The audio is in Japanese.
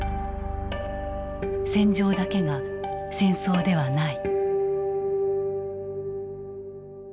戦場だけが戦争ではない。